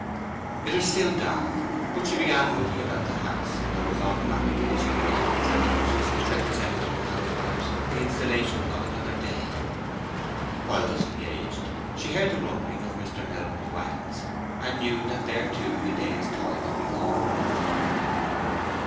It was still dark, but she began moving about the house in those automatic initiatory acts and touches which represent among housewives the installation of another day. While thus engaged she heard the rumbling of Mr. Melbury's wagons, and knew that there, too, the day's toil had begun.